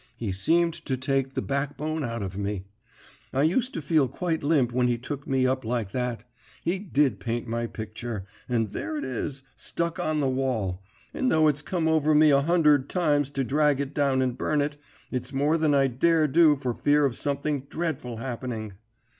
He seemed to take the backbone out of me; I used to feel quite limp when he took me up like that. He did paint my picture, and there it is, stuck on the wall; and though it's come over me a hunderd times to drag it down and burn it, it's more than I dare do for fear of something dreadful happening.